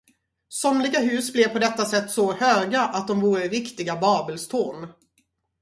Somliga hus blev på detta sätt så höga, att de vore riktiga Babelstorn.